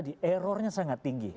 tadi errornya sangat tinggi